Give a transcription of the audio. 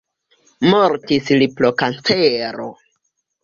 Mortis li pro kancero.